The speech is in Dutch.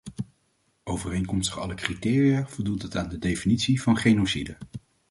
Overeenkomstig alle criteria voldoet het aan de definitie van genocide.